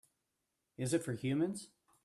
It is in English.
Is it for humans?